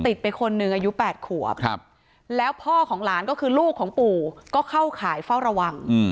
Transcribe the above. ติดไปคนนึงอายุแปดขวบครับแล้วพ่อของหลานก็คือลูกของปู่ก็เข้าข่ายเฝ้าระวังอืม